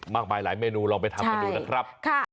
มากมายหลายเมนูลองไปทำกันดูนะครับ